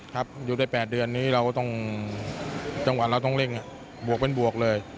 ครับอยู่ใน๘เดือนนี้จังหวัดเราต้องเร่งบวกเป็นบวกเลย